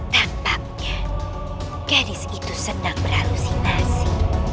tampaknya gadis itu sedang berhalusinasi